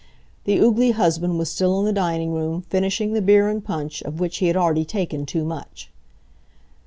The oogly husband was still in the dining room, finishing the beer and punch, of which he had already taken too much.